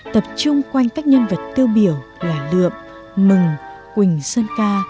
tập trung quanh các nhân vật tiêu biểu là lượm mừng quỳnh sơn ca